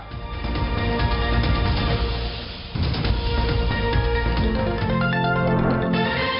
สวัสดีครับ